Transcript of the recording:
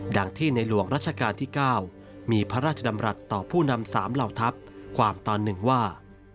ดังที่ในหลวงรัชกาลที่๙มีพระราชดำรัฐต่อผู้นำ๓เหล่าทัพความตอนหนึ่งว่า